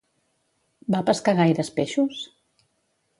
Va pescar gaires peixos?